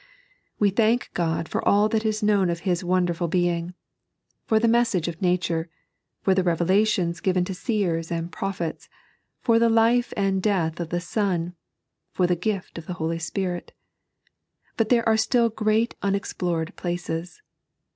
We thank God for all that is known of His won derful being, for the message of Nature, for the revelations given to seers and prophets, for the life and death of the Bon, for tbe gift of the Holy Spirit. But there are still great unexplored places.